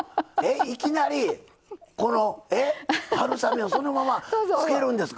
いきなり春雨をそのままつけるんですか。